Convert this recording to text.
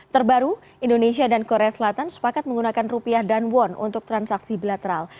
terbaru indonesia dan korea selatan sepakat menggunakan rupiah dan won untuk transaksi bilateral